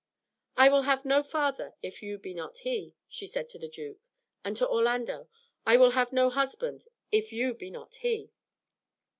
"I will have no father if you be not he," she said to the duke, and to Orlando, "I will have no husband if you be not he."